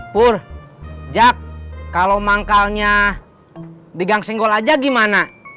pur jak kalau manggalnya di gang senggol aja gimana